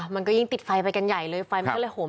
มันก็ยิ่งติดไฟไปกันใหญ่เลย